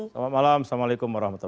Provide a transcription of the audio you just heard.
selamat malam assalamualaikum wr wb